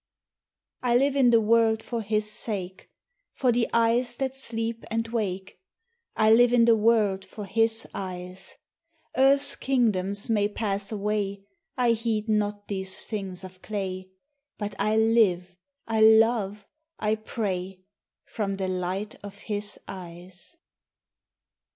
I LIVE in the world for his sake. For the eyes that sleep and wake, I live in the world for his eyes : Earth's kingdoms may pass away, I heed not these things of clay, But I live, I love, I pray From the light of his eyes.